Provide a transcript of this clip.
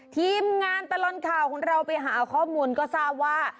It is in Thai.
ทีมงานตลอดข่าวของเราไปหาข้อมูลก็ทราบว่า